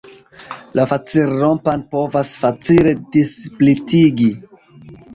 La facilrompan povas facile dissplitigi.